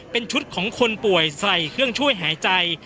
เป็นชุดของคนป่วยใส่เครื่องช่วยหายใจ